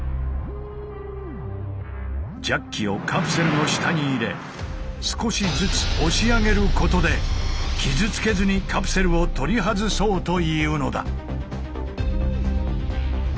ジャッキをカプセルの下に入れ少しずつ押し上げることで傷つけずにカプセルを取り外そうというのだ。